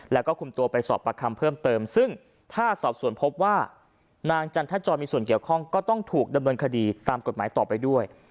แล้วก็คุมตัวไปสอบประคำเพิ่มเติมซึ่งถ้าสอบส่วนพบว่านางจันทจรมีส่วนเกี่ยวข้องก็ต้องถูกดำเนินคดีตามกฎหมายต่อไปด้วย